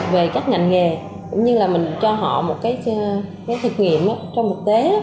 về các ngành nghề cũng như là mình cho họ một cái thực nghiệm trong thực tế